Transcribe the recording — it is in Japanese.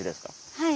「はい」。